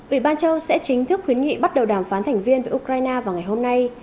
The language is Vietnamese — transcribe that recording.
ủy ban châu sẽ chính thức khuyến nghị bắt đầu đàm phán thành viên với ukraine vào ngày hôm nay